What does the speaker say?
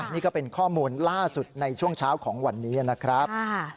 นี่ก็เป็นข้อมูลล่าสุดในช่วงเช้าของวันนี้นะครับ